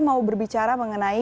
mau berbicara mengenai